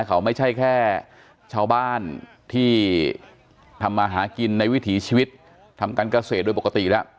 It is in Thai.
เขาไม่ใช่แค่ชาวบ้านที่ทำมาหากินในวิถีชีวิตทำการเกษตรโดยปกติแล้ว